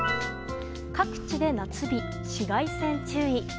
各地で夏日、紫外線注意。